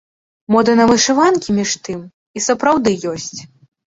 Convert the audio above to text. Мода на вышыванкі, між тым, і сапраўды ёсць.